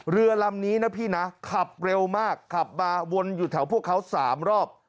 เรือลำนี้นะพี่นะขับเร็วมากขับมาวนอยู่แถวพวกเขา๓รอบ